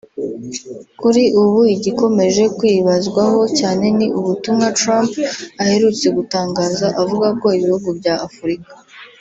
Kuri ubu igikomeje kwibazwaho cyane ni ubutumwa Trump aherutse gutangaza avuga ko ibihugu bya Afurika